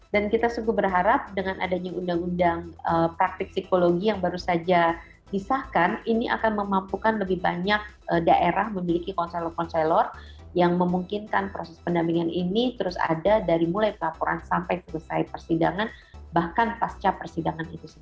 dan kita sungguh berharap dengan adanya undang undang praktik psikologi yang baru saja disahkan ini akan memampukan lebih banyak daerah memiliki konselor konselor yang memungkinkan proses pendampingan ini terus ada dari mulai pelaporan sampai selesai persidangan bahkan pasca persidangan itu sendiri